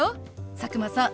佐久間さん